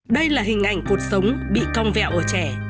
đây là hình ảnh cuộc sống bị cong vẹo ở trẻ